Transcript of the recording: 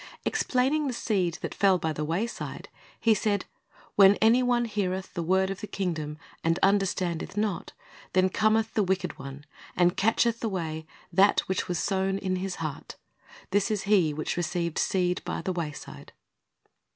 Explaining the seed that fell by the wayside, He said, "When any one heareth the word of the kingdom, and understandeth it not, then cometh the wicked one, and catcheth away that which was sown in his heart. This is he which received seed by the wayside."